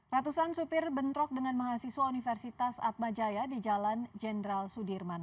ratusan supir bentrok dengan mahasiswa universitas atmajaya di jalan jenderal sudirman